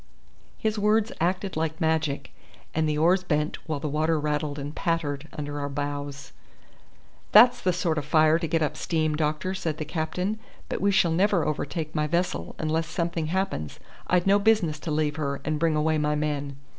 His words acted like magic, and the oars bent, while the water rattled and pattered under our bows. "That's the sort o' fire to get up steam, doctor," said the captain; "but we shall never overtake my vessel, unless something happens. I'd no business to leave her, and bring away my men."